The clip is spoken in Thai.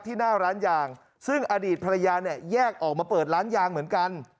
หน้าร้านยางซึ่งอดีตภรรยาเนี่ยแยกออกมาเปิดร้านยางเหมือนกัน